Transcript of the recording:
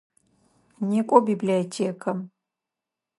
Некӏо библиотекэм!